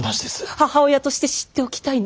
母親として知っておきたいの。